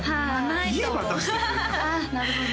なるほど